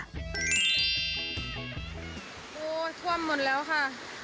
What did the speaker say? โธ่ถว่มหมดแล้วค่ะ